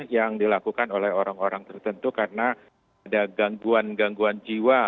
yang dilakukan oleh orang orang tertentu karena ada gangguan gangguan jiwa